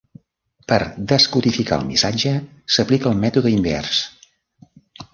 Per descodificar el missatge, s'aplica el mètode invers.